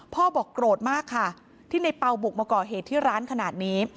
บอกโกรธมากค่ะที่ในเปล่าบุกมาก่อเหตุที่ร้านขนาดนี้